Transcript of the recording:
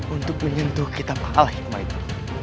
untuk menyentuh kitab al hikmah itu